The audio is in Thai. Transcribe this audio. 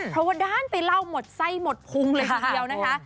เพราะว่าด้านไปเล่าหมดไส้หมดพุงเลยทีเดียวนะคะ